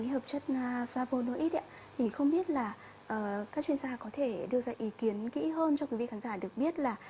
hợp chất favonoid không biết các chuyên gia có thể đưa ra ý kiến kỹ hơn cho quý vị khán giả được biết là